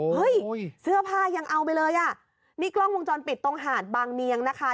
เฮ้ยเสื้อผ้ายังเอาไปเลยอ่ะนี่กล้องวงจรปิดตรงหาดบางเนียงนะคะ